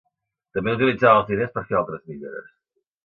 També utilitzava els diners per fer altres millores.